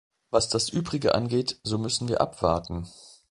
Was das Übrige angeht, so müssen wir abwarten.